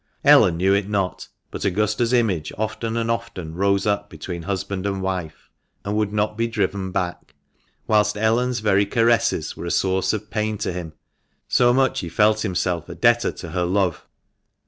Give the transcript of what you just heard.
Ellen knew it not, but Augusta's image often and often rose up between husband and wife, and would not be driven back ; whilst Ellen's very caresses were a source of pain to him, so much he felt himself a debtor to her love.